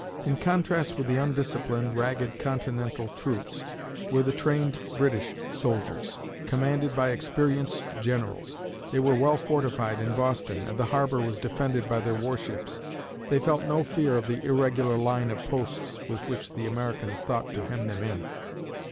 In contrast with the undisciplined, ragged Continental troops were the trained British soldiers, commanded by experienced generals. They were well fortified in Boston and the harbor was defended by their warships. They felt no fear of the irregular line of posts with which the Americans thought to hem them in.